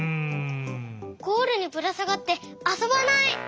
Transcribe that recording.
ゴールにぶらさがってあそばない。